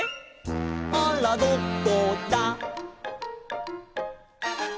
「あらどこだ」